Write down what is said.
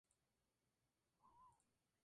Es papá del jugador Daniel Samaniego.